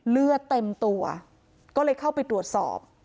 เลือดเต็มตัวก็เลยเข้าไปตรวจสอบ